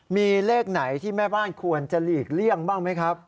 มีเลขไหนที่แม่บ้านควรจะหลีกเลี่ยงบ้างไหมครับ